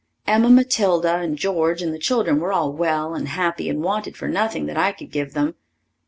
Emma Matilda and George and the children were all well and happy and wanted for nothing that I could give them.